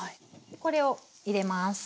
これを入れます。